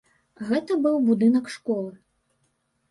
Гэта быў будынак школы.